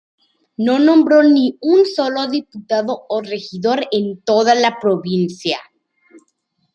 No nombró ni un sólo diputado o regidor en toda la provincia.